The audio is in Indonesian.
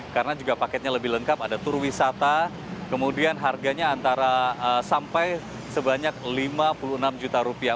karena juga paketnya lebih lengkap ada tur wisata kemudian harganya antara sampai sebanyak rp lima puluh enam juta